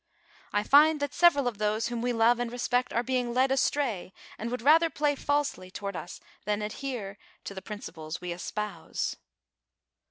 "I find that several of those whom we love and respect are being led astray, who would rather play falsely toward us than adhere to the principles we espouse.